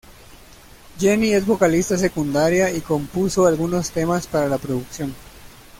Jenny es vocalista secundaria y compuso algunos temas para la producción.